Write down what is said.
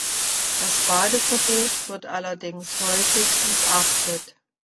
Das Badeverbot wird allerdings häufig missachtet.